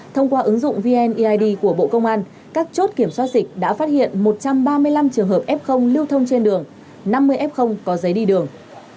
thông qua ứng dụng vneid của bộ công an các chốt kiểm soát dịch đã phát hiện một trăm ba mươi năm trường hợp f lưu thông trên đường năm mươi f có giấy đi đường